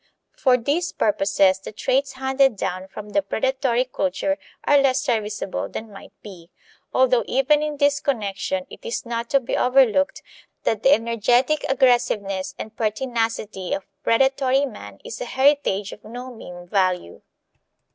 For these purposes the traits handed down from the predatory culture are less serviceable than might be. Although even in this connection it is not to be overlooked that the energetic aggressiveness and pertinacity of predatory man is a heritage of no mean value.